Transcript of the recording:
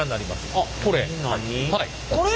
あっこれ？